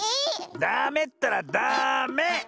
ダメったらダメ！